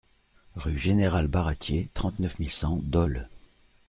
Rue Général Baratier, trente-neuf mille cent Dole